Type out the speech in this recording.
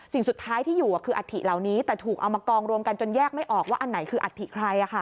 สิ่งสุดท้ายที่อยู่คืออัฐิเหล่านี้แต่ถูกเอามากองรวมกันจนแยกไม่ออกว่าอันไหนคืออัฐิใคร